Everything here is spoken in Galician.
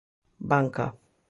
Banca.